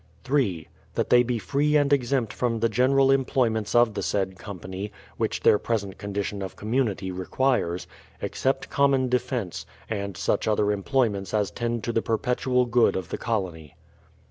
3. That they be free and exempt from the general employments of the said company (which their present condition of community re quires), except common defence, and such other employments as tend to the perpetual good of the colony.